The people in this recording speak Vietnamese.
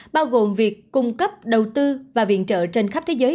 bao gồm việc cung cấp đầu tư và viện trợ trên khắp thế giới